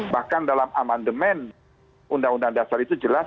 bahkan dalam amendement undang undang dasar itu jelas